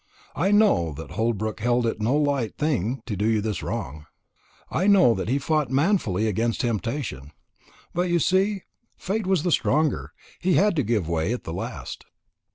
I know that Holbrook held it no light thing to do you this wrong; I know that he fought manfully against temptation. But, you see, fate was the stronger; and he had to give way at the last."